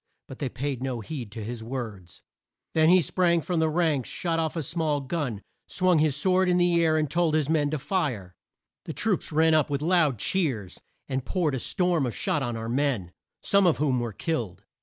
But they paid no heed to his words. Then he sprang from the ranks, shot off a small gun, swung his sword in air, and told his men to fire. The troops ran up, with loud cheers, and poured a storm of shot on our men, some of whom were killed.